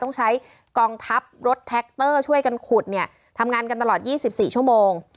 ต้องใช้กองทัพรถแท็กเตอร์ช่วยกันขุดเนี่ยทำงานกันตลอด๒๔ชั่วโมง